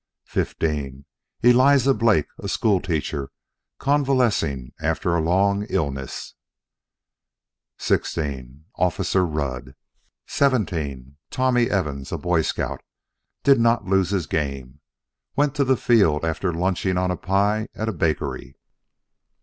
XV Eliza Blake a school teacher, convalescing after a long illness. XVI Officer Rudd. XVII Tommy Evans, boy scout. Did not lose his game. Went to the field after lunching on pie at a bakery.